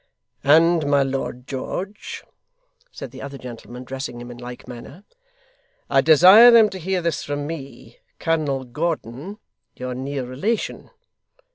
'And my Lord George,' said the other gentleman, addressing him in like manner, 'I desire them to hear this, from me Colonel Gordon your near relation.